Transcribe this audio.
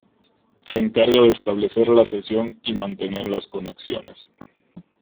Se encarga de establecer la sesión y mantener las conexiones.